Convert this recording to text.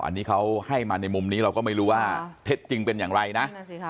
อันนี้เขาให้มาในมุมนี้เราก็ไม่รู้ว่าเท็จจริงเป็นอย่างไรนะ